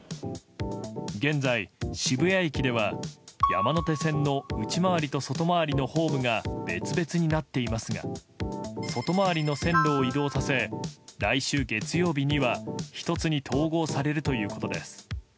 現在、渋谷駅では山手線の内回りと外回りのホームが別々になっていますが外回りの線路を移動させ来週月曜日には１つに統合されるということです。